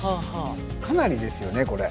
かなりですよねこれ。